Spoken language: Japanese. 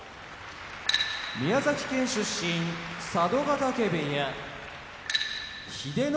宮崎県出身佐渡ヶ嶽部屋英乃海